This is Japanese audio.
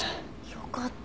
よかった。